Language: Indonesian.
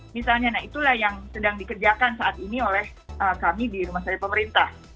misalnya nah itulah yang sedang dikerjakan saat ini oleh kami di rumah sakit pemerintah